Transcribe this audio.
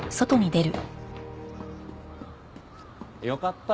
よかった！